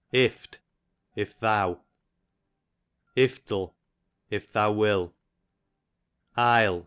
Ift, if thou. Iftle, if thou will.